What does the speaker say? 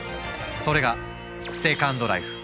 それが「セカンドライフ」。